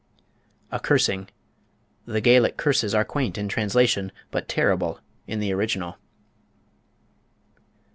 A Cursing The Gaelic curses are quaint in translation, but terrible in the original.